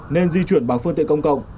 nên di chuyển bằng phương tiện công cộng